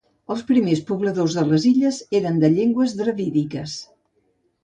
Els primers pobladors de les illes eren de llengües dravídiques.